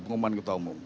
pengumuman ketua umum